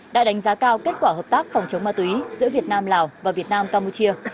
đã đánh giá cao kết quả hợp tác phòng chống ma túy giữa việt nam lào và việt nam campuchia